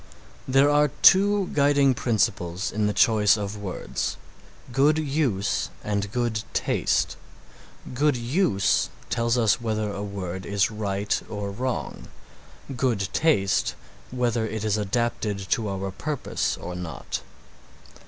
There are two guiding principles in the choice of words, good use and good taste. Good use tells us whether a word is right or wrong; good taste, whether it is adapted to our purpose or not.